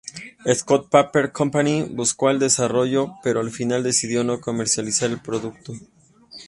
Scott Paper Company buscó el desarrollo, pero al final decidió no comercializar el producto.